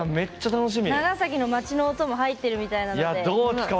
長崎の町の音も入ってるみたいなので。